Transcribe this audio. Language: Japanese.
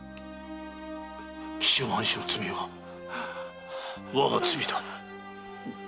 紀州藩主の罪は我が罪だ。